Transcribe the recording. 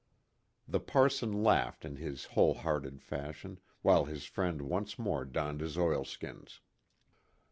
The parson laughed in his whole hearted fashion, while his friend once more donned his oilskins.